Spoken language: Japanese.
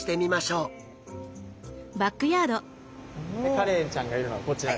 カレイちゃんがいるのはこちらです。